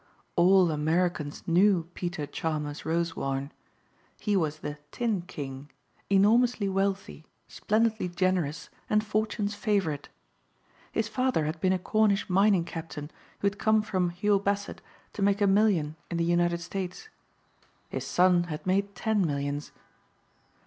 All Americans knew Peter Chalmers Rosewarne. He was the "Tin King," enormously wealthy, splendidly generous and fortune's favorite. His father had been a Cornish mining captain who had come from Huel Basset to make a million in the United States. His son had made ten millions.